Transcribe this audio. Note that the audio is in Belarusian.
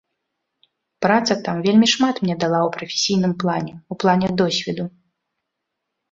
Праца там вельмі шмат мне дала ў прафесійным плане, у плане досведу.